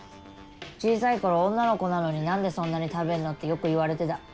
小さい頃「女の子なのに何でそんなに食べるの？」ってよく言われてた。